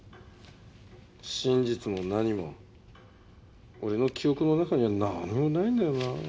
真実も何も俺の記憶の中にはなんにもないんだよな。